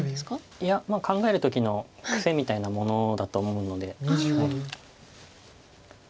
いや考える時の癖みたいなものだと思うので。